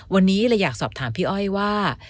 วันนี้เลยอยากสอบถามพี่อ้อยว่า